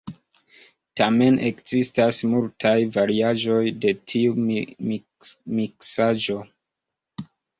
Tamen ekzistas multaj variaĵoj de tiu miksaĵo.